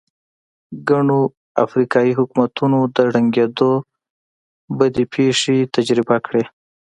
ګڼو افریقايي حکومتونو د ړنګېدو بدې پېښې تجربه کړې.